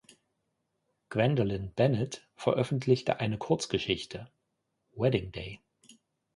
Gwendolyn Bennett veröffentlichte eine Kurzgeschichte, "Wedding Day".